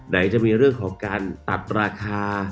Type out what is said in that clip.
ไหนจะมีเรื่องของการตัดราคา